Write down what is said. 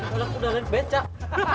kalau aku udah liat pecak